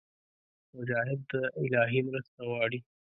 مجاهد د الهي مرسته غواړي.